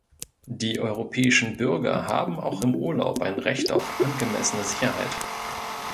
Die europäischen Bürger haben auch im Urlaub ein Recht auf angemessene Sicherheit.